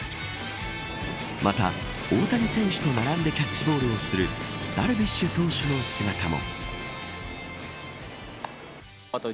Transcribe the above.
また、大谷選手と並んでキャッチボールをするダルビッシュ投手の姿も。